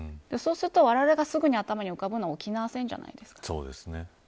そうするとわれわれがすぐに頭に浮かぶのは沖縄戦じゃないですか。